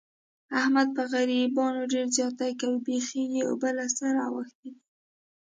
احمد په غریبانو ډېر زیاتی کوي. بیخي یې اوبه له سره اوښتې دي.